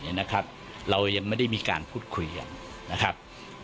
เนี่ยนะครับเรายังไม่ได้มีการพูดคุยกันนะครับ